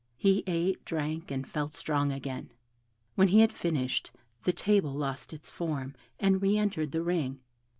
He ate, drank, and felt strong again. When he had finished, the table lost its form, and re entered the ring.